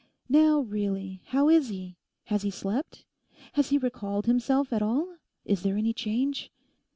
Now really, how is he? has he slept? has he recalled himself at all? is there any change?